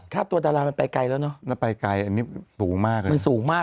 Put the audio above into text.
ค่าตัวดารามันไปไกลแล้วเนอะแล้วไปไกลอันนี้สูงมากเลยมันสูงมาก